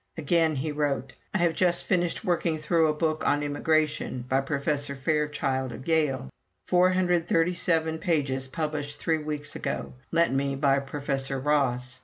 Again he wrote: "I have just finished working through a book on 'Immigration' by Professor Fairchild of Yale, 437 pages published three weeks ago, lent me by Professor Ross.